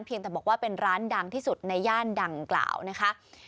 แต่บอกว่าเป็นร้านดังที่สุดในย่านดังกล่าวนะคะ